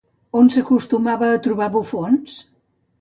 On s'acostumava a trobar bufons?